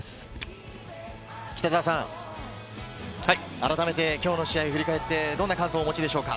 あらためて今日の試合、振り返ってどんな感想をお持ちでしょうか？